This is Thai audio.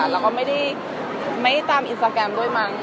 แล้วก็ไม่ได้ตามอินสตาแกรมด้วยมั้ง